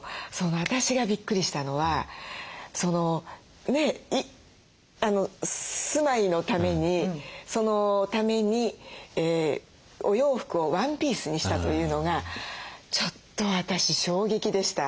私がびっくりしたのは住まいのためにそのためにお洋服をワンピースにしたというのがちょっと私衝撃でした。